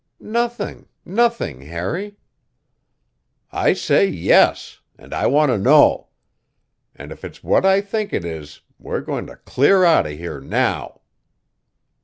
"Nothing nothing, Harry." "I say yes! And I want to know! And if it's what I think it is we're going to clear out of here now!"